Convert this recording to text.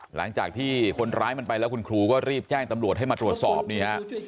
หลังจากที่คนร้ายมันไปแล้วคุณครูก็รีบแจ้งตำรวจให้มาตรวจสอบนี่ฮะ